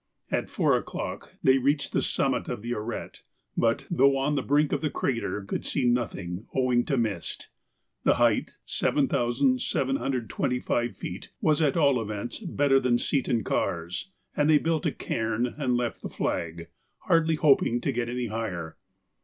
At four o'clock they reached the summit of the arête, but, though on the brink of the crater, could see nothing, owing to mist. The height, 7,725 feet, was at all events better than Seton Karr's, and they built a cairn and left the flag, hardly hoping to get any higher.